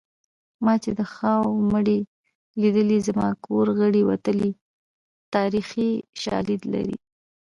ما چې د خاوو مړي لیدلي زما کور غړي وتلي تاریخي شالید لري